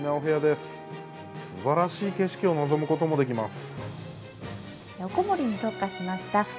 すばらしい景色を望むこともできます。